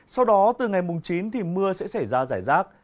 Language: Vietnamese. sau đó từ ngày mùng chín thì mưa sẽ xảy ra giải rác